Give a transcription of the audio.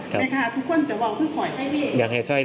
แต่ว่าอันนี้คือมันออกมาเนี่ย